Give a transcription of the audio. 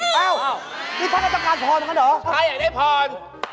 นี่ท่านอาจารย์พรเหรอใครอยากได้พร